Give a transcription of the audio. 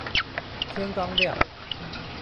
天剛亮